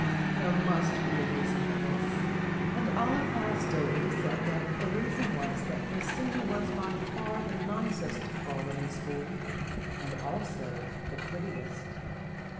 There must be a reason for this, and Olive Pastowe would have said that the reason was that Christina was by far the nicest girl in the school and also the prettiest.